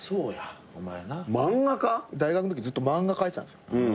大学のときずっと漫画描いてたんすよ。